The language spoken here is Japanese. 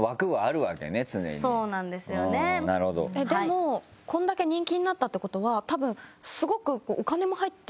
でもこれだけ人気になったって事は多分すごく。